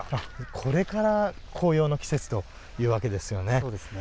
これから紅葉の季節ということですよね。